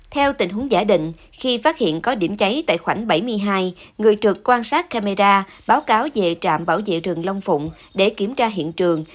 theo tình huống giả định khi phát hiện có điểm cháy tại khoảnh bảy mươi hai người trực quan sát camera báo cáo về trạm bảo vệ rừng long phụng để kiểm tra hiện trường